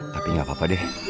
tapi gak apa apa deh